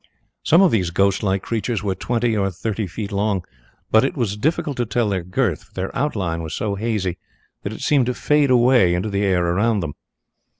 Some of these ghost like creatures were twenty or thirty feet long, but it was difficult to tell their girth, for their outline was so hazy that it seemed to fade away into the air around them.